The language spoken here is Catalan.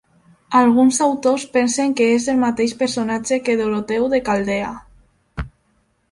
Alguns autors pensen que és el mateix personatge que Doroteu de Caldea.